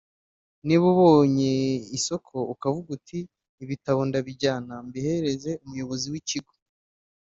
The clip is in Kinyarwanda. niba ubonye isoko ukavuga uti ibitabo ndabijyana mbihereze umuyobozi w’ikigo